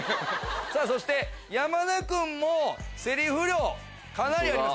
そして山田君もセリフ量かなりあります。